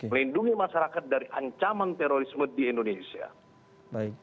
melindungi masyarakat dari ancaman terorisme di indonesia